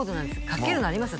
かけるのあります？